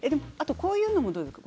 こういうのどうですか。